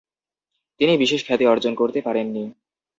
তিনি বিশেষ খ্যাতি অর্জন করতে পারেননি।